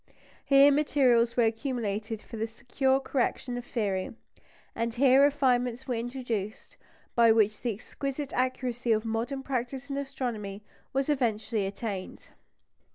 Here materials were accumulated for the secure correction of theory, and here refinements were introduced by which the exquisite accuracy of modern practice in astronomy was eventually attained.